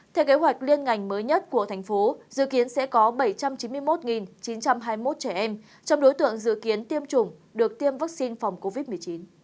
theo kế hoạch liên ngành mới nhất của thành phố dự kiến sẽ có bảy trăm chín mươi một chín trăm hai mươi một trẻ em trong đối tượng dự kiến tiêm chủng được tiêm vaccine phòng covid một mươi chín